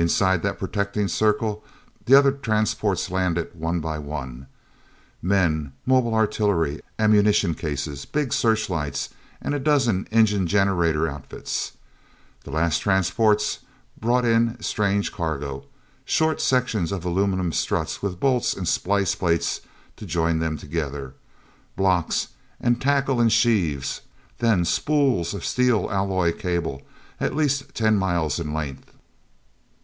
Inside that protecting circle the other transports landed one by one: men, mobile artillery, ammunition cases, big searchlights, and a dozen engine generator outfits. The last transports brought in strange cargo—short sections of aluminum struts with bolts and splice plates to join them together: blocks, and tackle and sheaves; then spools of steel alloy cable at least ten miles in length.